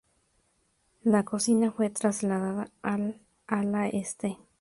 La cocina fue trasladada al ala este.